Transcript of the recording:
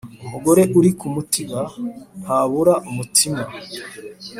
Umugore uri ku mutiba ntabura umutima.